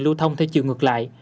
lưu thông theo chiều ngược lại